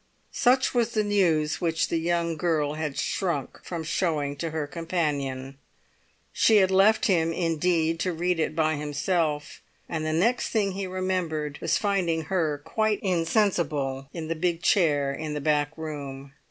Such was the news which the young girl had shrunk from showing to her companion. She had left him, indeed, to read it by himself. And the next thing he remembered was finding her quite insensible in the big chair in the back room.